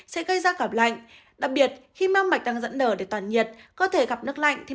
sẽ gây ra cảm lạnh đặc biệt khi mau mạch đang dẫn đỡ để toàn nhiệt cơ thể gặp nước lạnh thì